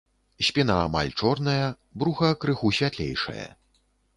Спіна амаль чорная, бруха крыху святлейшае.